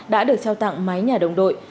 đã được trao tặng mái nhà đồng đội